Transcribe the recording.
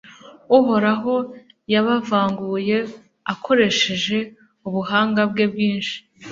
uhoraho yabavanguye akoresheje ubuhanga bwe bwinshi